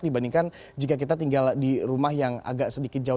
dibandingkan jika kita tinggal di rumah yang agak sedikit jauh